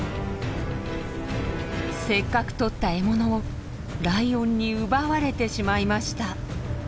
せっかく取った獲物をライオンに奪われてしまいました。